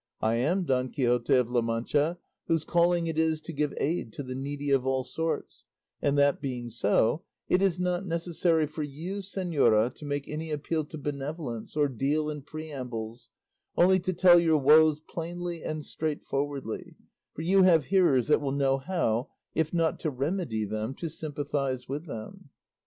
I am Don Quixote of La Mancha, whose calling it is to give aid to the needy of all sorts; and that being so, it is not necessary for you, señora, to make any appeal to benevolence, or deal in preambles, only to tell your woes plainly and straightforwardly: for you have hearers that will know how, if not to remedy them, to sympathise with them."